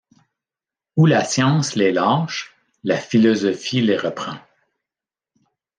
Où la science les lâche, la philosophie les reprend.